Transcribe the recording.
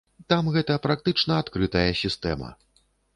Там гэта практычна адкрытая сістэма.